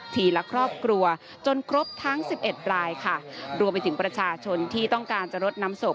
ละครอบครัวจนครบทั้งสิบเอ็ดรายค่ะรวมไปถึงประชาชนที่ต้องการจะรดน้ำศพ